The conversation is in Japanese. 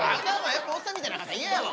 やっぱおっさんみたいな赤ちゃん嫌やわ。